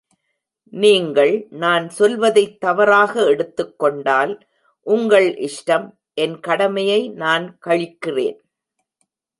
நீங்கள் நான் சொல்வதைத் தவறாக எடுத்துக்கொண்டால், உங்கள் இஷ்டம், என் கடமையை நான் கழிக்கிறேன்.